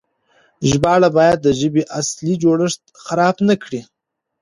ژباړه بايد د ژبې اصلي جوړښت خراب نه کړي.